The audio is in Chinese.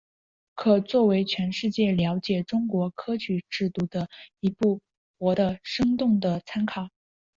可作为全世界了解中国科举制度的一部活的生动的参考。